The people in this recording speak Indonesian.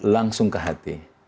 langsung ke hati